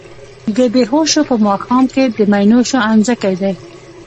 د بــــــې هــــــوښو په ماښام کي د مینوشو انځکی دی